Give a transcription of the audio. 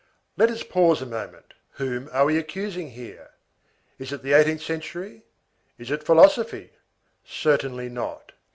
Let us pause a moment. Whom are we accusing here? Is it the eighteenth century? Is it philosophy? Certainly not.